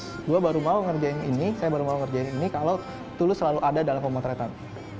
saya baru mau ngerjain ini kalau tulus selalu ada dalam pemotretan